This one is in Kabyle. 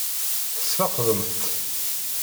Tesfeqdemt-tt?